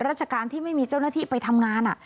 ราชการที่ไม่มีเจ้าหน้าที่ไปทำงาน